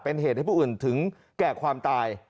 เป็นเหตุให้ผู้อื่นถึงแก่ความตาย